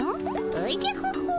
おじゃホホッ。